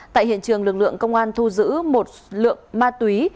tại hiện trường lực lượng công an thu giữ một lượng ma túy